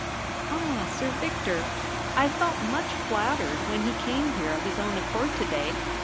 ' Ah ! Sir Victor ! I felt much flattered when he came here of his own accord to day.